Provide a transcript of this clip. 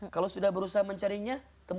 kalau sudah berusaha mencarinya